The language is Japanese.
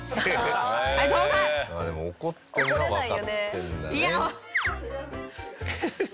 でも怒ってるのはわかってるんだよね。